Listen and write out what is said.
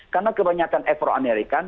karena kebanyakan afro amerikan